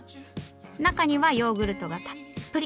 中にはヨーグルトがたっぷり。